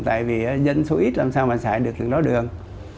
tại vì dân số ít làm sao mà xảy được từ đó đường